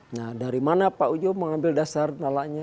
nah dari mana pak ujo mengambil dasar nalaknya